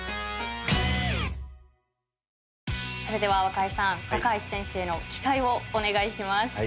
それでは若井さん橋選手への期待をお願いします。